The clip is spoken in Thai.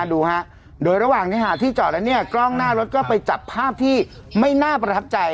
ดูฮะโดยระหว่างนี้หาที่จอดแล้วเนี่ยกล้องหน้ารถก็ไปจับภาพที่ไม่น่าประทับใจ